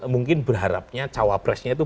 mungkin berharapnya cawabresnya itu